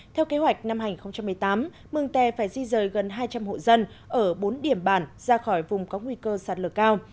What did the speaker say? theo kế hoạch năm hai nghìn một mươi tám mừng tè phải di rời gần hai trăm linh hộ dân ở bốn điểm bản ra khỏi vùng có nguy cơ sạt lở cao